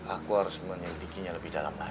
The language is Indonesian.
aku harus menyelidikinya lebih dalam lagi